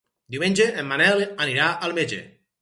Diumenge en Manel anirà al metge.